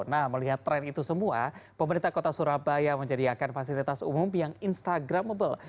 nah melihat tren itu semua pemerintah kota surabaya menyediakan fasilitas umum yang instagramable